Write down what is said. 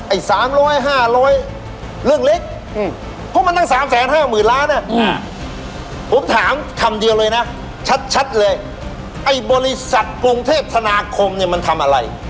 ไอ้๓๐๐๕๐๐เรื่องเล็กเพราะมันตั้ง๓๕๐๐๐ล้านผมถามคำเดียวเลยนะชัดเลยไอ้บริษัทกรุงเทพธนาคมเนี่ยมันทำอะไร